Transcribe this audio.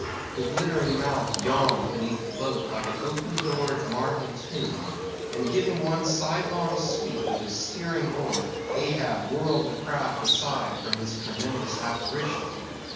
The glittering mouth yawned beneath the boat like an open doored marble tomb; and giving one sidelong sweep with his steering oar, Ahab whirled the craft aside from this tremendous apparition.